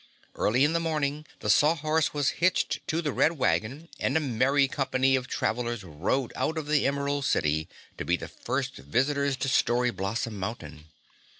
Early in the morning, the Sawhorse was hitched to the Red Wagon, and a merry company of travelers rode out of the Emerald City to be the first visitors to Story Blossom Mountain.